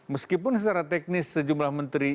meskipun secara teknis sejumlah menteri